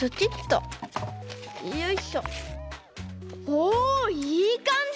おおいいかんじ！